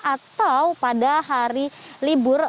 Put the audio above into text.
atau pada hari libur